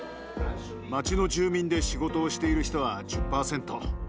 町の住民で仕事をしている人は１０％。